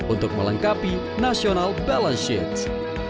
untuk melengkapi national balance sheets